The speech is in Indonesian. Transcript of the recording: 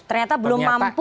ternyata belum mampu